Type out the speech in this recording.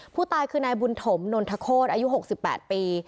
ผู้ตายคือนายบุญถมนนทโฆษอายุหกสิบแปดปี